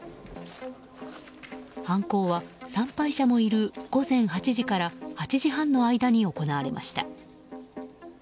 犯行は参拝者もいる午前８時から８時半の間に行われました。